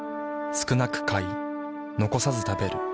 少なく買い残さず食べる。